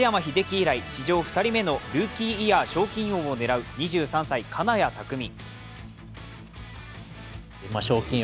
以来、史上２人目のルーキーイヤー賞金王を狙う２３歳・金谷拓実。